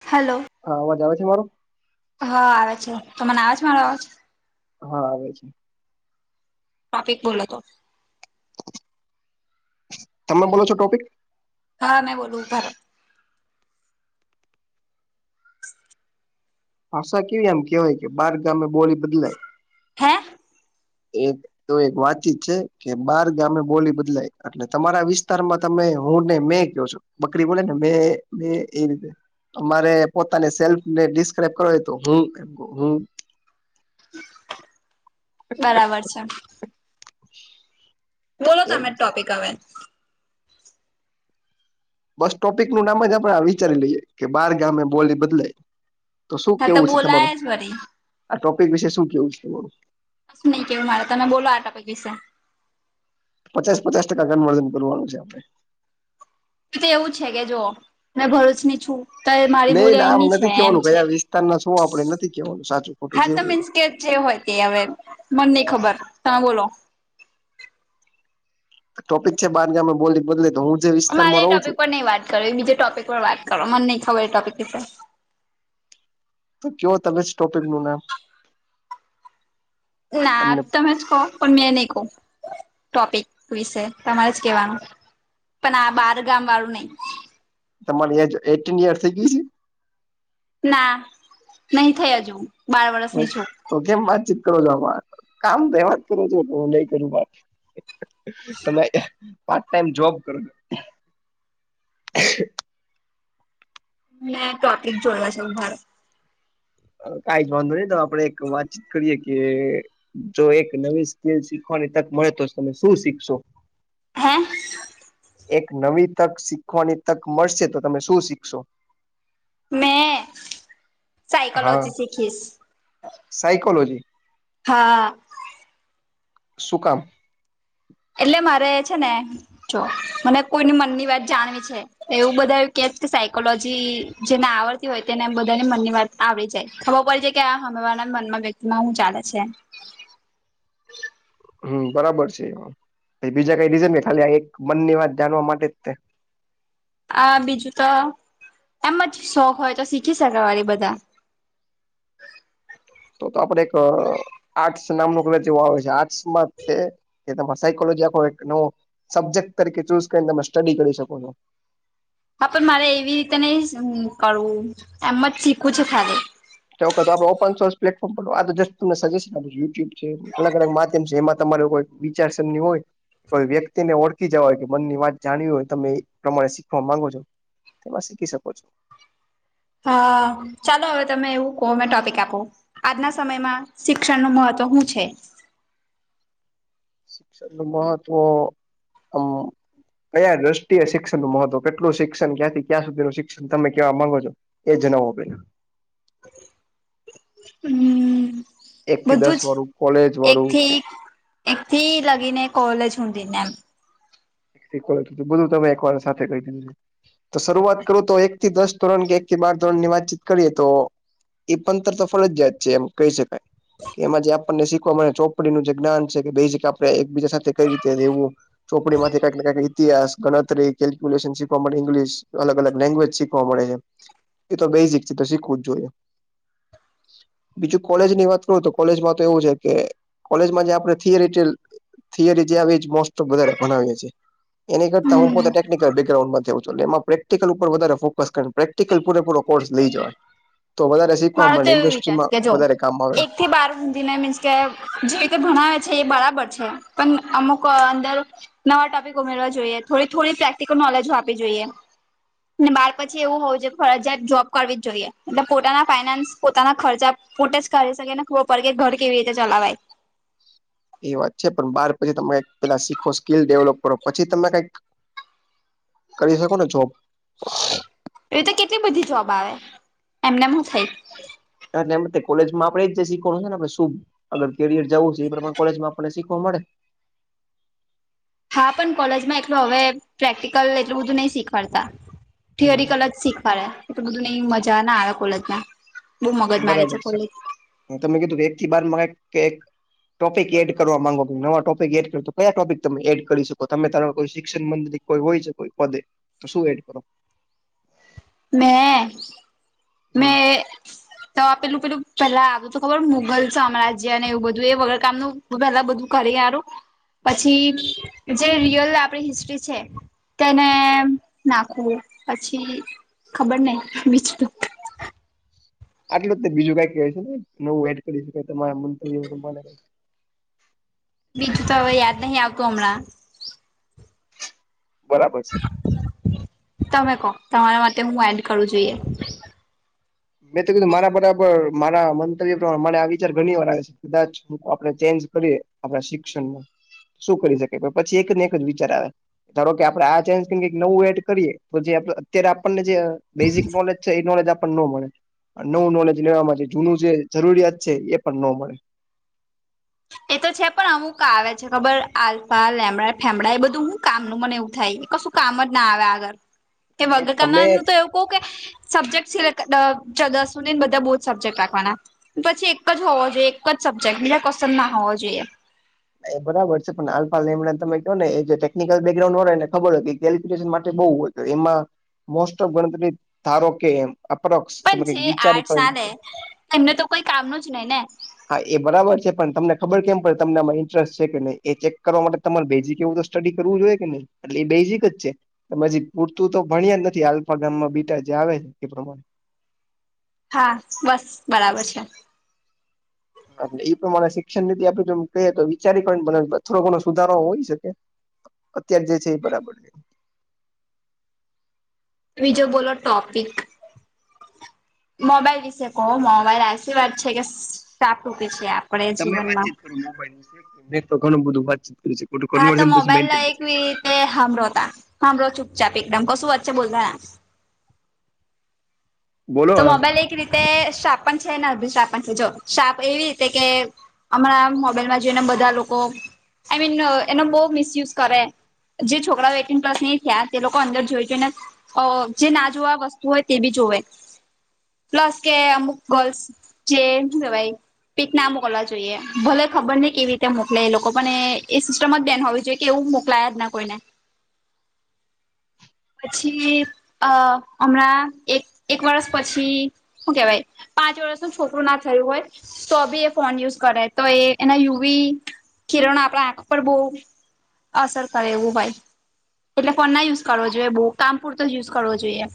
Hello. હા અવાજ આવે છે મારો હા આવે છે તો તમને આવે છે મારો અવાજ હા આવે છે. ટોપિક બોલે તો. તમે બોલો છો ટોપિક. હા ને બધું ખા. [unintelligible] ભાષા કેવી એમ કેહેવાય કે બાર ગામે બોલી બદલાય હે એ તો એક વાતચીત છે કે બાર ગામે બોલી બદલાય એટલે તમારા વિસ્તારમાં તમે હું ને મેં કયો છું બકરી બોલે ને મે મે એ રીતે અમારે પોતાને સેલ્ફ ને ડિસ્ક્રાઈબ કરો હોય તો હું હું. બરાબર છે. [unintelligible] બોલો એમ તમે ટોપિક હવે. બસ ટોપિક નું નામ જ આપણે વિચારી લઈએ કે બાર ગામે બોલી બદલાય. તો શું હા કેવું છે તમારું બોલાય જ વરી આ ટોપિક વિશે શું કેવું છે બોલો કશું નહી કેવું મારે તમે બોલો આ ટોપિક વિશે પચાસ પચાસ ટકા ગનવર્ધન કરવાનું છે આપડે. તો એવું છે કે જો મે ભરૂચ ની છું. તો મારી નહી બુલાય નામ ની છે નથી એમ કેવાનું છે કયા વિસ્તારના શું આપડે નથી કેવાનું સાચું ખોટું હા જે તો હોય. મીન્સ કે જે હોય કે હવે મન નહી ખબર તમે બોલો ટોપિક છે બાર ગામમે બોલી બદલે તો હું જે વિસ્તારમાં રહું ટોપિક છું. પર નહી વાત કર એ બીજે ટોપિક પર વાત કરો મને નહીં ખબર એ ટોપિક ઉપર તો કેવો તમે સટોપિક નું નામ ના તમને તમે જ કહો પણ મેં નહી કઉ. ટોપિક વિશે તમારે જ કેવાનું પણ આ બાર ગામ વાળું નહીં. તમારીં એ એટીન યરસ થઇ ગયી છે. ના નહી થઈ હજુ બાર છે વર્ષની છુ તો કેમ વાતચીત કરો છ કામ તો એમાં જ કરો છો તો હું નહી કરુંત તમે એ પાર્ટ ટાઈમ જોબ કરો છો. મે ટોપિક જોડવા છે ધારો. કઈ જ વાંધો નહી તો આપડે એક વાતચીત કરીએ કે જો એક નવી સ્કીલ શીખવાની તક મળે તો તમે શું શીખશો. હા. એક નવી તક શીખવાની તક મળશે તો તમે શું શીખશો મેં સાયકોલોજી શીખીશ. સાઇકોલોજી. હા. સુ કામ. એટલે મારે છે ને જો મને કોઈની મનની વાત જાણવી છે. એવું બધા કેશે કે સાયકોલોજી જેને આવડતી હોય તેને એમ બધાની મનની વાત આવી જાય ખબર પડી જાય કે આ હામેવાળા મનમાં વ્યક્તિ માં હું ચાલે છે. હમ્મ બરાબર છે એછ બીજા કઈ રીઝન ખાલી એક મનની વાત જાણવા માટે જ છે. આ બીજું તો, એમ જ શોખ હોય તો શીખી શકે વાળ બધા. તો તો આપણે એક આર્ટસ નામનું ક જેવ આવે છે આર્ટસમાં તે કે તમારે સાયકોલોજી આખો એક નવો સબ્જેક્ટ તરીકે ચૂઝ કરીને તમે સ્ટડી કરી શકો છો. હા પણ મારે એવી રીતે નઈ કરવું એમ જ શીખું છે ખાલી. ચ તો આપડ ઓપન સોર્સ પ્લેટફોર્મ પડ તો જસ્ટ તમને સજેશન આપ યુટ્યુબ છે અલગ અલગ માધ્યમ છે એમાં તમારે કો વિચારસરની હોય કોઈ વ્યક્તિને ઓળખી જવા હોય કે મનની વાત જાણવી હોય તમે એ પ્રમાણે શીખવા માંગો છો. તેમાં શીખી શકો છો. હા ચાલો હવે તમે એવું કહો અમે ટોપિક આપો. આજના સમયમાં શિક્ષણનું મહત્વ શું છે? શિક્ષણ નું મહત્વ આમ કયા દ્રષ્ટિય શિક્ષણનું મહત્વ કેટલું શિક્ષણ ક્યાંથી ક્યાં સુધીનું શિક્ષણ તમે કેવા માંગો છો? એ જનાવો બેન. એક અમ થી બધું દસ જ, વાળું કોલેજ વાળું એકથી કે એકથી લગીને કોલેજ સુધી ના. બધું તમે એક વાર સાથે કહી દીધું. તો શરૂઆત કરું તો એક થી દસ ધોરણ કે એક થી બાર ધોરણ ની વાતચીત કરીએ તો એ ભણતર તો ફરજિયાત છે એમ કહી શકાય. કે એમાં જે આપણને શીખવા ચોપડીનું જે જ્ઞાન છે કે બેઝક આપણે એકબીજા સાથે કઈ રીતે રહેેવું ચોપડી માંથી કાંઈને કાંઈક ઈતિહાસ, ગણતરી, કેલ્ક્યુલેશન શીખવા, ઇંગ્લિશ અલગ અલગ લેંગ્વેજ શીખવા મળે છે. એ તો બેઝિક છે તો શીખવું જ જોઈએ. બીજું કોલેજ ની વાત કરું તો કોલેજમાં તો એવું છે કે કોલેજમાં જે આપણે થિયરી જે આવી મોસ્ટ વધારે ભનાવીએ છીએ. એની કરતા હું હમ પોતે ટેકનિકલ બેગગ્રાન્ડમાંથી આઉં છું એ પ્રેક્ટિકલ ઉપર વધારે ફોકસ કરુ છુ. પ્રેક્ટીકલ પૂરેપૂરો કોર્સ લઈ જવા તો વધારે શીખવા મળે ઇન્ડસ્ટ્રીમાં વધારે કામ આવે. એકથી બાર હુંધીને મીન્સ કે જે રીતે ભણાવે છે એ બરાબર છે. પણ અમુક અંદર નવા ટોપિક ઉમેરવા જોઈએ, થોડી થોડી પ્રેક્ટિકલ નોલેજો આપવી જોઈએ. ને બાર પછી એવું હોવું જોઈએ કે ફરજીયાત જોબ કરવી જ જોઈએ. એટલે પોતાના ફાઈનાન્સ, પોતાના ખર્ચા પોતે જ કરી શકે ને એને ખબર પડે કે ઘર કેવી રીતે ચલાવાય. એ વાત છે પણ બાર પછી તમે પેલા શીખો સ્કીલ ડેવલપ કરો પછી તમે કંઈક કરી શકોને જોબ. એવી તો કેટલી બધી જોબ આવે એમનેમ હોવ થાઈ. એમજ તો આપણે કોલેજમાં આપડે એજ શીખવાનું છે ને આપણે શું અગર કેરયર જવું છે એ પ્રમાણે કોલેજ માં આપણને શીખવા મળે. હા પણ કોલેજમાં એટલું હવે પ્રેક્ટિકલ એટલું બધું નહી શીખવાડતા. હમ થિયરી અલજ શીખવાડે એટલું બધું મને મજા ના આવે કોલેજ માં. બહુ એ મગજ મારી બરાબર છે. હું તમે કીધું કે એક થી બાર કે ટોપિક એડ કરવા માંગો નવા ટોપિક એડ કરો કયા ટોપિક તમે એડ કરી શકો તમે તો કોઈ શિક્ષણ બાબતે કોઈ હોય છે કોઈ પદે તો શું એડ કરો? મેં, મે હમ તો પેલું પેલા આપ્યું તો ખબર મુઘલ સામ્રાજ્ય અને એવું બધું એ વગર કામનું હું પેલા બધું કરી, પછી જે રિયલ આપડી હિસ્ટ્રી છે તેને, નાખવું પછી ખબર નહીં બીજુ. આટલું જ ને બીજું કઈ કહેય છે ને નવું એડ કરી શકાય તમારા માટે. બીજું તો હવે યાદ નહીં આવતું હમણાં. બરાબર છે. તમે કહ તમારા માટે હું એડ કરું જોઈએ? મેં તો કીધું મારા બરાબર મારા મંતવ્ય પ્રમાણે મારે આ વિચાર ઘણી વાર આવે છે. કદાચ આપણે ચેન્જ કરીએ આપણા શિક્ષણનમાં. શું કરી શકે પછી એક ને એક જ વિચાર આવે. ધારો કે આપડે આ ચેન્જ કે નવું એડ કરીએ તો જે અત્યારે આપણને જે બેઝિક નોલેજ છે એ નોલેજ આપણ નો મળે. નવું નોલેજ લેવાવામાં જૂનું જે જરૂરિયાત છે એ પણ ન મળે. એ તો છે પણ અમુક આવે છે ખબર આલ્ફા લે ફેમડા એ બધું હું કામનું મને એવું થાય કશું કામ જ ના આવે આગળ, કે એ વગર કામ તમે ન તો એવું ઓકે, સબ્જેક્ટ સિસને બધા બહુ જ સબ્જેક્ટ રાખવાના. પછી એક જ હોવો જોઈએ એક જ સબ્જેક્ટ બીજા કસંદ ના હોવો જોઈએ. એ બરાબર છે પણ હાલપાલ નેમં તમે કહ ને એ જે ટેકનિકલ બેકગ્રઉન્ડ હો ને ખબર હોય કેલફિકેશન માટે બઉ હોય. એમાં મોસ્ટ ઓફ ગણતરી ધારો કે અપ્રોક્સ. પણ તમે કઈક જે વિચારી આર્ટ ના, એમને તો કોઈ કામ ન જ નહી ને. હા એ બરાબર છે પણ તમને ખબર કેમ પડે તમને માહિત છે કે નહી એ ચેક કરવા માટે તમારે બેઝિક એવું સ્ટડી કરવું જોઈય કે નહી, એટલે એ બેઝિક જ છે. પછી પૂરતું તો ભણ્યા જ નથી આલ્ફા ગામમાં બીટા જે આવે છે એ પ્રમાણે. હા બસ બરાબર છે. ટ એ પ્રમાણે શિક્ષણ નીતિ આપે એમ કહીએ તો વિચારી ને થોડો ઘણો સુધારો હોઈ શકે. અત્યાર જે છે એ બરાબર છે. બીજ બોલો ટોપિક. મોબાઈલ વિશે કહો મોબાઈલ એસી વાત છે કે સાાપ ટૂકી છે આપ તમે વાતચીત કરો મોબાઈલ વિશે નહી તો ઘણું બધું વાતચીત કરી શક. હા તો મોબાઈલ લ એકવી રીતે હમરો હતા, હમરો ચુપચાપ એકદમ કશું વચ છે બોલતા. બોલો તો મોબાઈલ એક રીતે શાપન છેને અભિશાપન છે જો શાપ એવી રીતે કે હમાણા મોબાઈલમાં જોઈને બધા લોકો આઈ મીન એનો બહ મિસયુઝ કરે. જે છોકરાઓ એટીન પ્લસ નહી થયા તે લોકો અંદર જોઈ જઈને. અ જે ના જોવા વસ્તુ હોય તે બી જોવે. પ્લસ કે અમુક ગર્લ્સ જે હું કેવાય. પીક ના મોકલવા જોઈએ ભલે ખબર નહ કેવી રીતે મોકલે એ લોકો પણ એ સિસ્ટમ જ બેન હોવી જોઈએ. કેવું મોકલાયા જ ના કોઈને. પછી અ હમણાં એક એક વર્ષ પછી શું કેવાય પાંચ વર્ષનું છોકરું ના થયું હોય. તો બી એ ફોન યુઝ કરે તો એ એના યુવી કિરણો આપણા આંખ પર બહુ અ સર કરે એવું ભાઈ. એટલે ફોન ના યુઝ કરવો જોઈએ બહુ કામ પૂરતો યુઝ કરવો જોઈએ.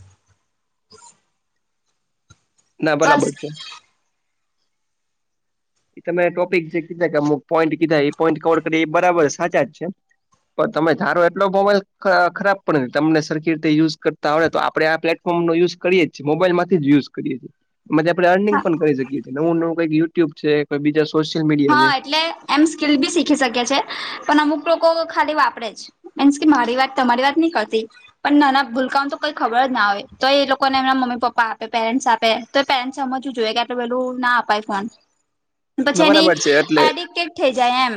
ના બસ બરાબર છે. એ તમે ટોપિક જે કીધા કેમક પોઈન્ટ કીધા એ પોઈન્ટ કવર કરી એ બરાબર સાચા જ છે. પણ તમે ધારો એટલો મોબાઈલ ખરાબ પણ નથી તમને સરખી રીતે યુઝ કરતા હોય તો આપણે આ પ્લેટ ફોર્મ નો યુઝ કરીએ છે, મોબાઈલ માંથી જ યુઝ કરીએ છીએ. અમે આપણે ત્યાં અર્નિંગ હા પણ કરી શકીએ છીએ, નવું-નવું કઈ યુટ્યુબ છે કોઈ બીજા સોશિયલ મીડિયા હા છે એટલે, એમ સ્કીલ બી શીખી શકે છે પણ, અમુક લોકો ખાલી વાપરે જ. મીન્સ કે, મારી વાત તમારી વાત નઈ કરતી. પણ નાના ભૂલકાઓ તો કોઈ ખબર જ ના હોય, તો એ લોકોને એમના મમ્મી-પપ્પા આપે પેરેન્ટ્સ આપે. તો પેરેન્ટ્સ ને સમજવું જોઈએ કે આટલું વહેલું ના અપાય ફોન તો બરાબર છે એટલે કઈક થઈ જાય એમ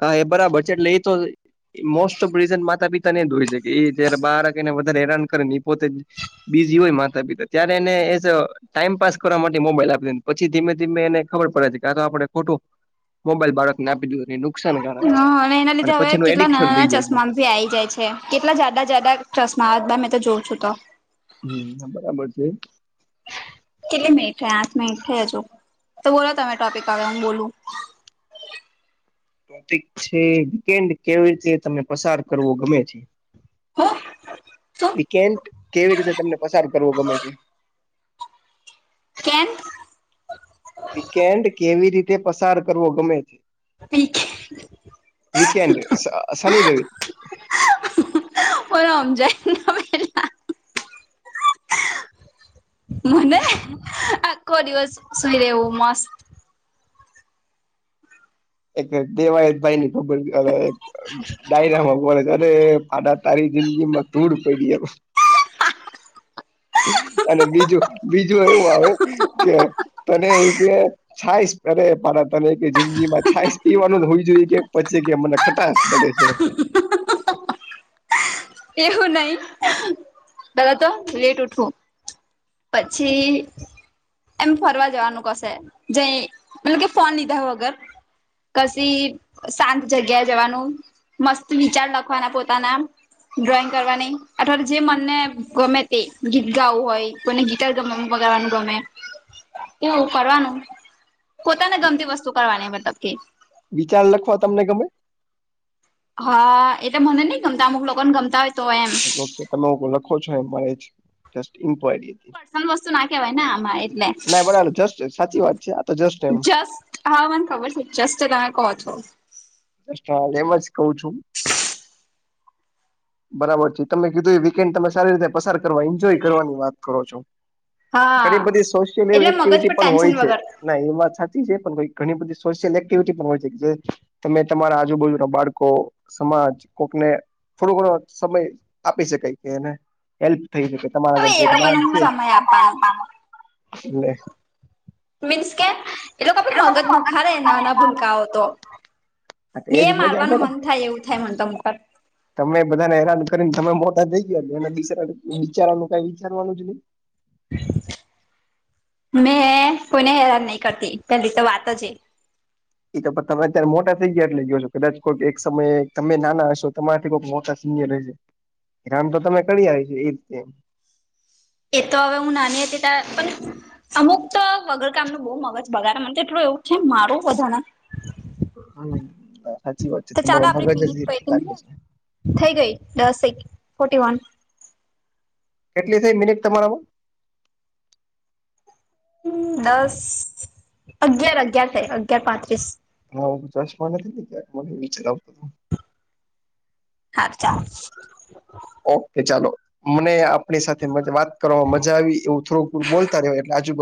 હા એ બરાબર છે, એટલે ઇ તો મોસ્ટઓફ રીઝન માતા-પિતા એ ન દોઈ શકે, ઈ તો એને જ બાળક એને વધારે હેરાન કરે ને એ પોતે બીજી હોય માતા-પિતા ત્યારે એને એ ટાઇમપાસ કરવા માટે મોબાઈલ આપી દે ને પછી ધીમે-ધીમે એને ખબર પડે છે કે, આ તો આપડે ખોટું મોબાઈલ બાળકને આપી દિધું કે ન હ.. અને એના લીધે હવે કેટલા થઈ નાના-નાના જાય છે ચશ્મા તો બી આઈ જાય છે કેટલા જાડા-જાડા ચશમા આવે તમે તો જોઉં છું તો હમ.. બરાબર છે. કેટલી મિનિટ થઈ, આઠ મિનિટ થઈ હજુ, તો બોલો તમે ટોપિક હવે હું બોલું ટોપિક છે, વિકેન્ડ કે જે હવે તમને પસાર કરવો ગમે છે. હા... વિકેન્ડ કેવી રીતે તમને પસાર કરવો ગમે છે? કેમ? વીકેન્ડ કેવી રીતે પસાર કરવો ગમે છે? પી કે વિકેન્ડ અ... શનિ-રવિ ઓ ન સમજાઈ ન ભઈલા મને, આખો દિવસ સૂઈ રેવું મસ્ત એક દેવાયતભાઈ ની ખબર નઈ હવે, એક ડાયરામાં બોલ કરે. આડા તારી જિંદગી માં ધૂડ પડી હવ અને બીજું-બીજું એવું આવે કે અને જે છાશ કરે પણ તને એક જિંદગી માં છાશ પીવાનું હોવી જોઈએ કે પછી કે મને ખટાશ નડે છે. એવું નહી, પેહલા તો લેટ ઉઠવું. પછી એમ ફરવા જવાનું કશે, જઈ પેલું કે ફોન લીધા વગર કશી શાંત જગ્યા એ જવાનું, મસ્ત વિચાર લખવાના પોતાના આમ ડ્રોઈંગ કરવાની અથવા જે મનને ગમે તે, ગીત ગાવું હોય કોઈ ને ગીત અત્યારે તો [inaudible] ગમે. એવું કરવાનું, પોતા ને ગમતી વસ્તુ કરવાની મતલબ કે વિચાર લખવા તમને ગમે? હા, એટલે મને નઈ ગમતા, અમુક લોકોને ગમતા હોય તો એમ ઓકે તમે લખો છો એમાં એ જસ્ટ ઇન્ક્વાયરી હતી પર્સનલ વસ્તુ ના કહેવાય ને આમાં એટલે, ના બરાબર જસ્ટ સાચી વાત છે આ તો જસ્ટ એમ જસ્ટ હા મને ખબર છે, જસ્ટ તમે કો છો. એમ જ કવ છું. બરાબર છે, તમે કીધું એ વીકેન્ડ તમે સારી રીતે પસાર કરવા એન્જોય કરવાની વાત કરો છો. હા ઘણી બધી સોશિયલ એ એટલે મગજ એક્ટિવિટી પર પણ હોય ટેન્શન છે. વગર ના એમાં સાચી છે પણ ઘણી બધી સોશિયલ એક્ટિવિટી પણ હોય છે. તમે તમારા આજુબાજુ ના બાળકો, સમાજ, કોકને. થોડો ઘણો સમય આપી શકાય કે એને. હેલ્પ થઈ શકે હવે તમારા એ લોકોનો ઘન હું છે, સમય આપવાનો એ. મીન્સ કેમ, એટ કે ભ હા મગજ દુખાારે નાના ભૂલકાઓ તો. તો ને એજ મજા છે મારવાનું મન થાય એવું થાય મતો મુખર. તમે બધાને હેરાન કરીને તમે મોટા થઈ ગયાલે એના બ વિચારાનું કઈ વિચારવાનું જ નહી. મેં કોને હેરાન નહી કરતી પેલી તો વાત જ એ. એ તો તમે અત્યારે મોટા થઈ ગયા એટલે જો છો કદાચ કોઈક એક સમયે તમે નાના હશો તમારાથી કોઈક મોટા હેરાન તો તમે કરી આવી છે એ રીતેમ. એ તો હવે હું નાની હતી ત્યા પણ અમુક તો વગર કામ ન બહુ મગજ બગા મને એટલું એવું છે મારું વધાર. હા સાચી વાત છે તો તમારરો ચાલો આપડી મગજ એ મિનિટ રીતે પયતી લાગે છે. થઈ ગઈ દસે, ફોટી વન. કેટલી થઈ મિનિટ તમારામાં? દસ અગિયાર અગિયાર સા અગિયાર પાંત્રીસ. હા ચશ્મા નથીને કક મ વિચાર આવતો. હા ચામચ. ઓકે ચાલો, મને આપણી સાથે વાત કરવામાં મજા આવી એવું થોડુંક બોલતા રહ્યો એટલે આજુબાજુ